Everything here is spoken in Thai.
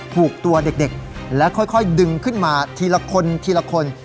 ผูกตัวเด็กและค่อยดึงขึ้นมาทีละคนทีละคน